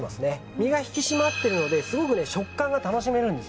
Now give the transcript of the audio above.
身が引き締まってるのですごく食感が楽しめるんです。